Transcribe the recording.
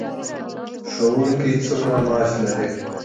ښوونکي څومره معاش لري؟